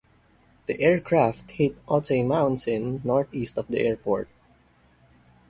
The aircraft hit Otay Mountain northeast of the airport.